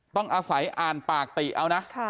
ต้องอาศัยอ่านปากติเอานะ